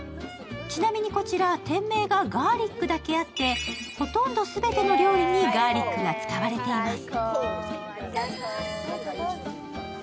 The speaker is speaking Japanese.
ちなみにこちら店名がガーリックだけあってほとんど全ての料理がガーリックが使われています。